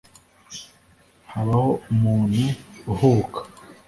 Habaho umuntu uhubuka